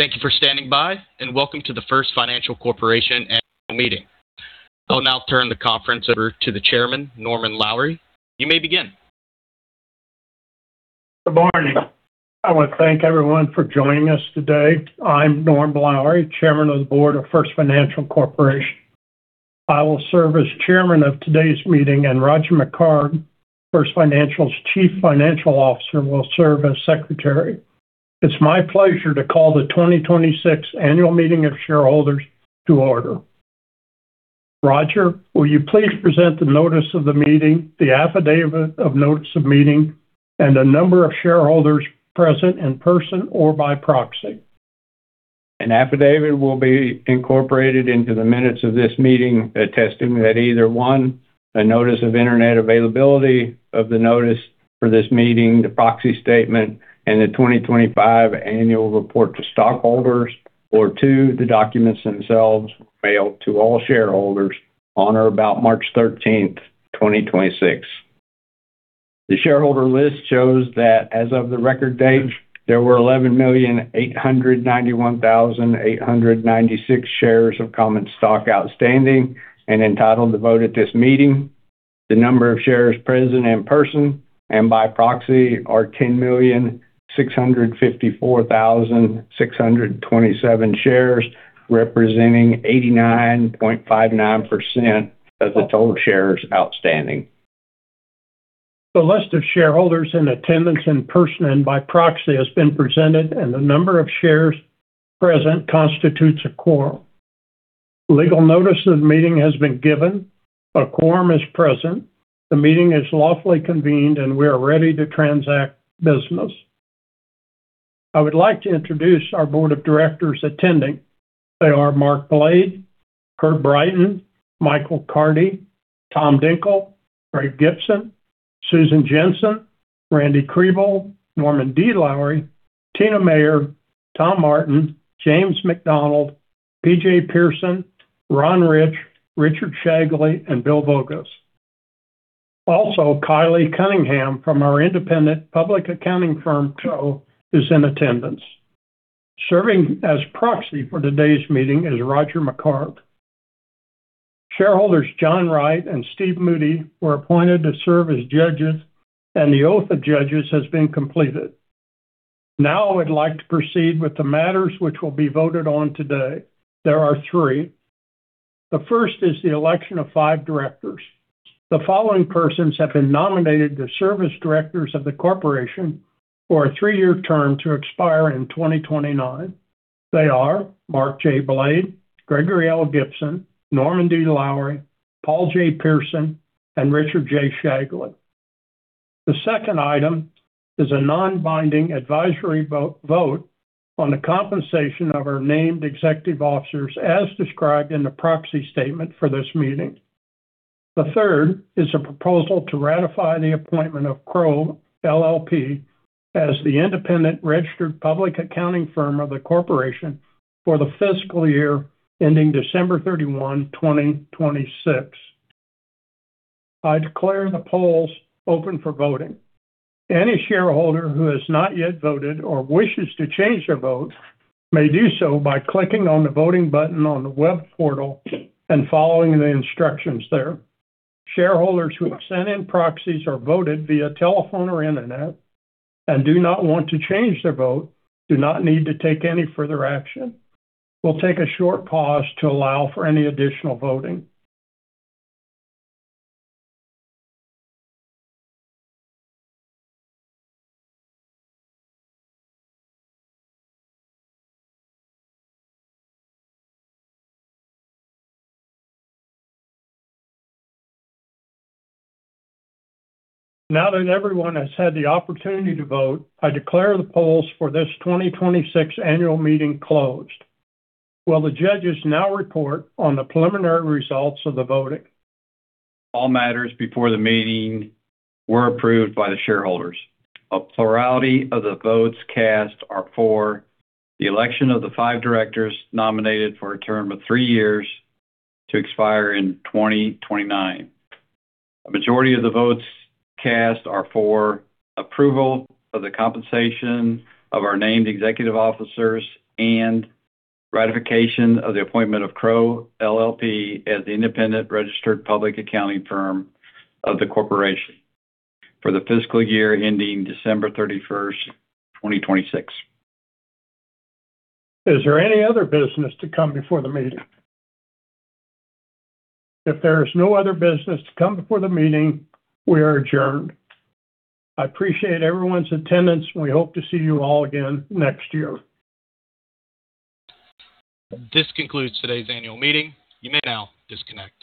Thank you for standing by, and welcome to the First Financial Corporation Annual Meeting. I'll now turn the conference over to the Chairman, Norman Lowery. You may begin. Good morning. I want to thank everyone for joining us today. I'm Norm Lowery, Chairman of the Board of First Financial Corporation. I will serve as Chairman of today's meeting, and Rodger McHargue, First Financial's Chief Financial Officer, will serve as Secretary. It's my pleasure to call the 2026 Annual Meeting of Shareholders to order. Rodger, will you please present the Notice of the Meeting, the Affidavit of Notice of Meeting, and the number of shareholders present in person or by proxy. An affidavit will be incorporated into the minutes of this meeting, attesting that either, one, a notice of internet availability of the notice for this meeting, the proxy statement, and the 2025 annual report to stockholders, or two, the documents themselves mailed to all shareholders on or about March 13th, 2026. The shareholder list shows that as of the record date, there were 11,891,896 shares of common stock outstanding and entitled to vote at this meeting. The number of shares present in person and by proxy are 10,654,627 shares, representing 89.59% of the total shares outstanding. The list of shareholders in attendance in person and by proxy has been presented, and the number of shares present constitutes a quorum. Legal notice of the meeting has been given. A quorum is present. The meeting is lawfully convened, and we are ready to transact business. I would like to introduce our Board of Directors attending. They are; Mark Blade, Curt Brighton, Michael Carty, Tom Dinkel, Greg Gibson, Susan Jensen, Randy Krieble, Norman D. Lowery, Tina Maher, Tom Martin, James McDonald, P.J. Pierson, Ron Rich, Richard Shagley, and Bill Voges. Also, Kylie Cunningham from our independent public accounting firm, Crowe, is in attendance. Serving as proxy for today's meeting is Rodger McHargue. Shareholders John Wright and Steve Moody were appointed to serve as judges, and the oath of judges has been completed. Now I would like to proceed with the matters which will be voted on today. There are three. The first is the election of five Directors. The following persons have been nominated to serve as Directors of the Corporation for a three-year term to expire in 2029. They are; Mark J. Blade, Gregory L. Gibson, Norman D. Lowery, Paul J. Pierson, and Richard J. Shagley. The second item is a non-binding advisory vote on the compensation of our Named Executive Officers as described in the Proxy Statement for this meeting. The third is a proposal to ratify the appointment of Crowe LLP as the Independent Registered Public Accounting Firm of the Corporation for the Fiscal Year ending December 31, 2026. I declare the polls open for voting. Any shareholder who has not yet voted or wishes to change their vote may do so by clicking on the voting button on the web portal and following the instructions there. Shareholders who have sent in proxies or voted via telephone or Internet and do not want to change their vote do not need to take any further action. We'll take a short pause to allow for any additional voting. Now that everyone has had the opportunity to vote, I declare the polls for this 2026 Annual Meeting closed. Will the Judges now report on the preliminary results of the voting? All matters before the meeting were approved by the shareholders. A plurality of the votes cast are for the election of the five directors nominated for a term of three years to expire in 2029. A majority of the votes cast are for approval of the compensation of our named executive officers and ratification of the appointment of Crowe LLP as the independent registered public accounting firm of the corporation for the fiscal year ending December 31st, 2026. Is there any other business to come before the meeting? If there is no other business to come before the meeting, we are adjourned. I appreciate everyone's attendance, and we hope to see you all again next year. This concludes today's annual meeting, you may now disconnect.